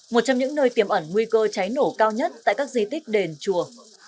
một trong những nơi tiềm ẩn nguy cơ cháy nổ cao nhất tại các di tích đền chùa